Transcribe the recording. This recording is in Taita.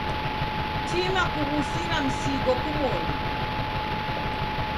Tima kuw'usira msigo kumoni.